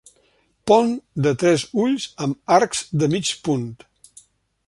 Pont de tres ulls amb arcs de mig punt.